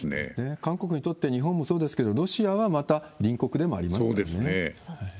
韓国にとって、日本もそうですけれども、ロシアはまた隣国でもありますからね。